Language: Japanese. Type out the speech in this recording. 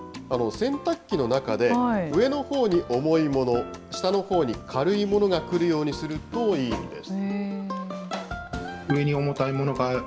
洗濯機の中で上のほうに重いもの、下のほうに軽いものがくるようにするといいんです。